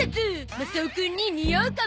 マサオくんににおうかも！